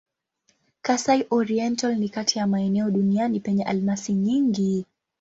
Kasai-Oriental ni kati ya maeneo duniani penye almasi nyingi.